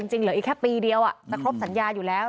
เหลืออีกแค่ปีเดียวจะครบสัญญาอยู่แล้ว